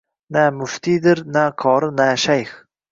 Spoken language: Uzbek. Na muftiydir na qori na shayx